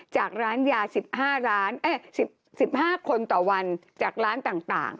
จากร้านยา๑๕ร้าน๑๕คนต่อวันจากร้านต่าง